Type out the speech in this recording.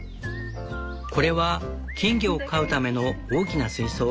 これは金魚を飼うための大きな水槽。